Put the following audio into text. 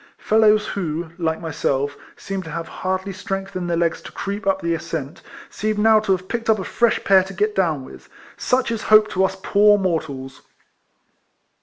Fellows who, like myself, seemed to have hardly strength in their legs to creep up the ascent, seemed now to have picked up a fresh pair to get down with. Such is hope to us poor mortals